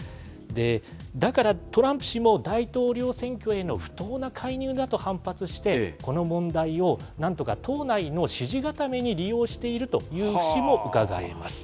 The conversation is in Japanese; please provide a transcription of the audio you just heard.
だから、トランプ氏も大統領選挙への不当な介入だと反発して、この問題をなんとか党内の支持固めに利用しているという節もうかがえます。